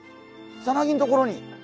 さなぎんところに。